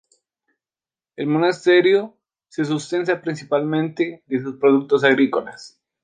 El monasterio se sustenta principalmente de sus productos agrícolas.